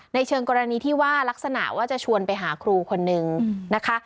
เชิงกรณีที่ว่ารักษณะว่าจะชวนไปหาครูคนนึงนะคะ